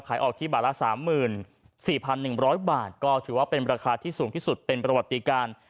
ขายออกที่บาทละสามหมื่นสี่พันหนึ่งร้อยบาทก็ถือว่าเป็นราคาที่สูงที่สุดเป็นประวัติการ